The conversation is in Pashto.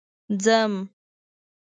ځم